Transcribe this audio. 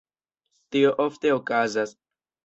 Tio ofte okazas.